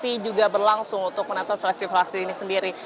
terima kasih juga berlangsung untuk menonton fraksi fraksi ini sendiri